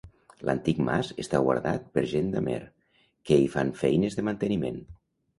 L'antic mas està guardat per gent d'Amer, que hi fan feines de manteniment.